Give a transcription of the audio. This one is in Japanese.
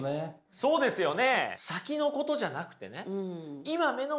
そうですね。